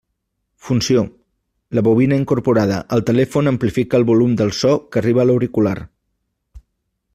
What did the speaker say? Funció: la bobina incorporada al telèfon amplifica el volum del so que arriba a l'auricular.